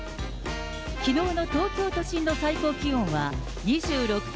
きのうの東京都心の最高気温は２６．３度。